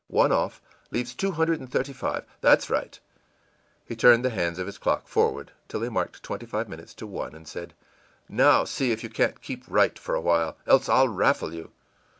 One off, leaves two hundred and thirty five. That's right.î He turned the hands of his clock forward till they marked twenty five minutes to one, and said, ìNow see if you can't keep right for a while else I'll raffle you!